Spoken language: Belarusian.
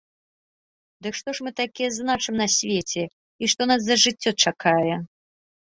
Дык што ж мы такія значым на свеце і што нас за жыццё чакае?